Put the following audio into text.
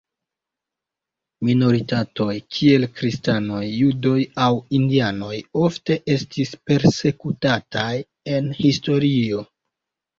Minoritatoj, kiel kristanoj, judoj aŭ indianoj ofte estis persekutataj en historio.